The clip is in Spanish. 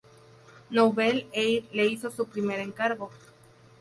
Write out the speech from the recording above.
Nouvelle Aire le hizo su primer encargo.